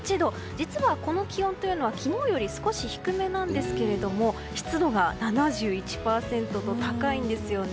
実はこの気温は昨日より少し低めなんですが湿度が７１％と高いんですよね。